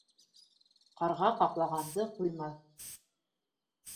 Ҡарға ҡаҡлағанды ҡуймаҫ.